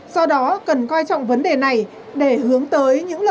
do đó cần coi trọng vấn đề này để hướng tới các doanh nghiệp